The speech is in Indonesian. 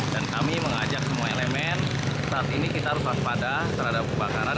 dan kami mengajak semua elemen saat ini kita harus puas pada terhadap pembakaran